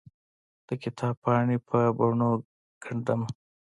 دکتاب پاڼې په بڼو ګنډ مه